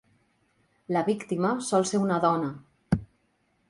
La víctima sol ser una dona.